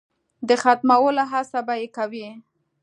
د ختمولو هڅه به یې کوي.